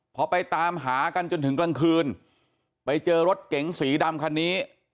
พอไปตามหากันจนถึงกลางคืนไปเจอรถเก๋งสีดำคันนี้